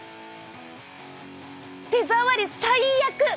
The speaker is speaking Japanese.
手触り最悪！